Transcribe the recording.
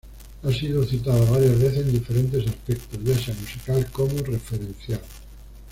Ha sido citada varias veces en diferentes aspectos, ya sea musical como referencial.